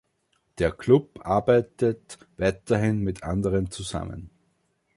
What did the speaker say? Der Klub arbeitet weiterhin mit anderen zusammen.